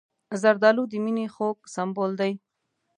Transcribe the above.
زردالو د مینې خوږ سمبول دی.